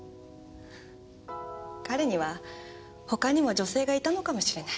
彼には他にも女性がいたのかもしれない。